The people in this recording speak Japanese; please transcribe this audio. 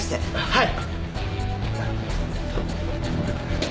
はい。